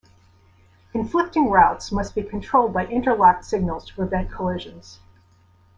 Conflicting routes must be controlled by interlocked signals to prevent collisions.